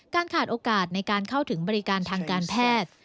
ขาดโอกาสในการเข้าถึงบริการทางการแพทย์